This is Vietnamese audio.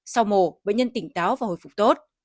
sau mổ bệnh nhân tỉnh táo và hồi phục tốt